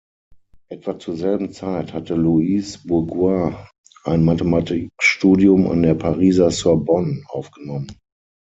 Etwa zur selben Zeit hatte Louise Bourgeois ein Mathematikstudium an der Pariser Sorbonne aufgenommen.